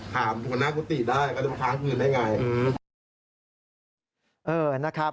ถามบุคณะกุฏิได้เขาจะมาค้างคืนได้ไง